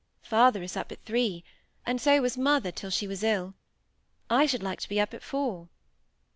"Father is up at three; and so was mother till she was ill. I should like to be up at four."